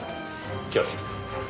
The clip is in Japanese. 恐縮です。